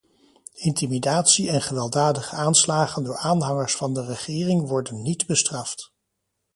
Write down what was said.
Intimidatie en gewelddadige aanslagen door aanhangers van de regering worden niet bestraft.